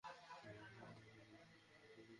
আরে, চিকেন খা।